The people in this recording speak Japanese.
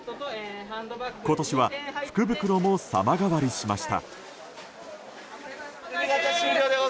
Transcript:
今年は福袋も様変わりしました。